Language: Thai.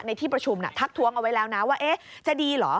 ที่ประชุมทักท้วงเอาไว้แล้วนะว่าจะดีเหรอ